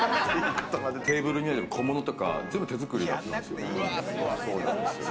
テーブルにある小物とか全部手作りだったんですよね。